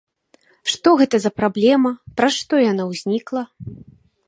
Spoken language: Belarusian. Што гэта за праблема, праз што яна ўзнікла?